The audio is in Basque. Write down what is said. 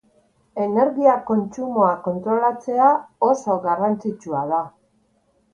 Energia-kontsumoa kontrolatzea oso garrantzitsua da.